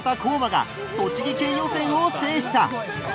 が栃木県予選を制した。